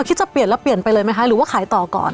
คิดจะเปลี่ยนแล้วเปลี่ยนไปเลยไหมคะหรือว่าขายต่อก่อน